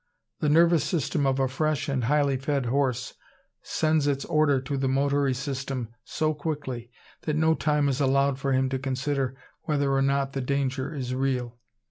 The nervous system of a fresh and highly fed horse sends its order to the motory system so quickly, that no time is allowed for him to consider whether or not the danger is real.